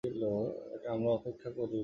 আমরা অপেক্ষা করব।